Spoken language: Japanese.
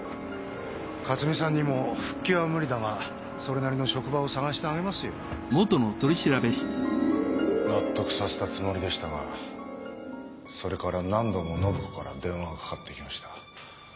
克巳さんにも復帰は無理だがそれなりの職場を探してあげますよ納得させたつもりでしたがそれから何度も信子から電話がかかってきました。